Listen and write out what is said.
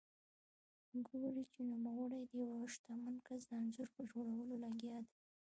ګوري چې نوموړی د یوه شتمن کس د انځور په جوړولو لګیا دی.